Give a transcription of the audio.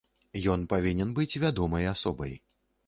Ён павінен быць вядомай асобай.